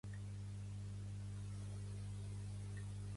En canvi, Spring Byington va aparèixer a la versió cinematogràfica.